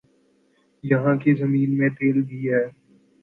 یہاں کی زمین میں تیل بھی ہے